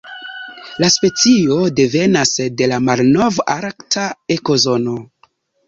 La specio devenas de la Malnov-Arkta ekozono.